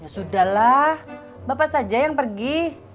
sudahlah bapak saja yang pergi